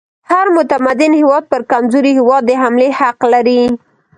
هر متمدن هیواد پر کمزوري هیواد د حملې حق لري.